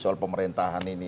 soal pemerintahan ini